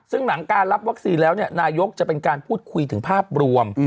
ซึ่งหลังการรับวัคซีนแล้วนายกจะเป็นการพูดคุยถึงภาพรวม